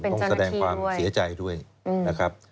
ต้องแสดงความเสียใจด้วยนะครับ